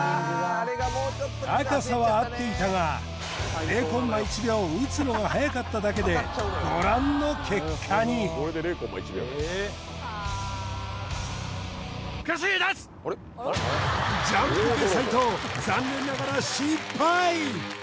高さは合っていたが０．１秒打つのが早かっただけでご覧の結果にジャンポケ斉藤残念ながら失敗！